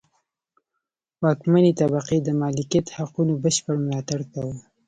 واکمنې طبقې د مالکیت حقونو بشپړ ملاتړ کاوه.